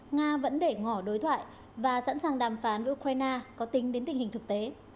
nga vẫn để ngỏ đối thoại và sẵn sàng đàm phán với ukraine có tính đến tình hình thực tế